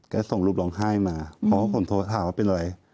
ก็ส่งรูปร้องไห้มาเพราะว่าผมโทรถามว่าเป็นอะไร